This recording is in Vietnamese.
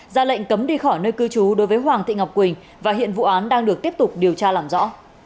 ra lệnh cấm đi khỏi nơi cư trú đối với hoàng thị ngọc quỳnh và hiện vụ án đang được tiếp tục điều tra làm rõ